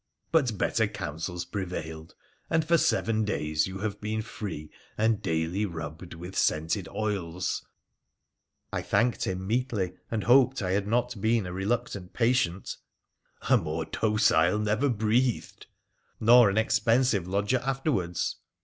But better counsels prevailed, and for seven days you have been free and daily rubbed with scented oils !' I thanked him meetly, and hoped I had not been a reluctant patient ?' A more docile never breathed.' ' Nor an expensive lodger afterwards